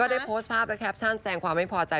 ได้โพสต์ภาพและแคปชั่นแสงความไม่พอใจ